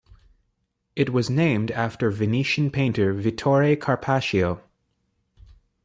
It was named after Venetian painter Vittore Carpaccio.